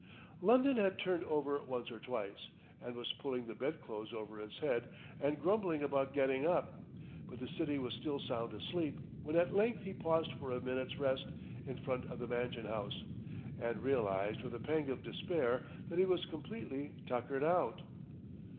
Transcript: London had turned over once or twice, and was pulling the bedclothes over its head and grumbling about getting up, but the city was still sound asleep when at length he paused for a minute's rest in front of the Mansion House, and realized with a pang of despair that he was completely tuckered out.